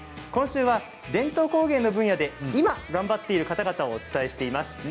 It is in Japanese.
今週は伝統工芸の分野で今、頑張っている方々をお伝えしています。